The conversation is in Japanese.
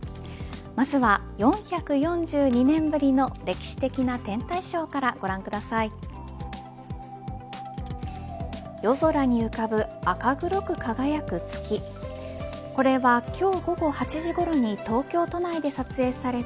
まずは４４２年ぶりの歴史的な天体ショーからご覧ください。